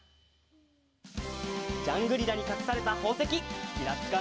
ジャングリラにかくされたほうせききらぴか